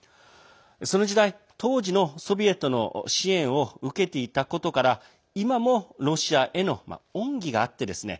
その時代、当時のソビエトの支援を受けていたことから今もロシアへの恩義があってですね